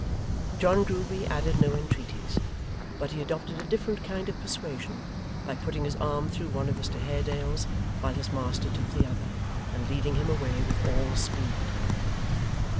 John Grueby added no entreaties, but he adopted a different kind of persuasion, by putting his arm through one of Mr Haredale's, while his master took the other, and leading him away with all speed.